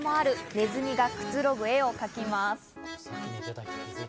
ねずみがくつろぐ絵を描きます。